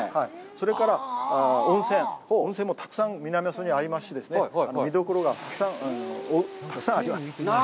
それから、温泉、温泉も南阿蘇にはありまして、見どころがたくさんあります。